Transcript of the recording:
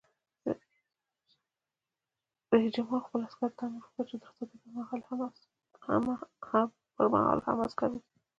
رئیس جمهور خپلو عسکرو ته امر وکړ؛ د رخصتۍ پر مهال هم، عسکر اوسئ!